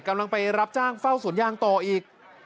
กำลังไปรับจ้างเฝ้าสวนยางต่ออีก